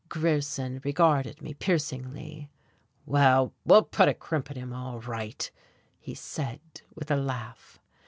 Grierson regarded me piercingly. "Well, we'll put a crimp in him, all right," he said, with a laugh.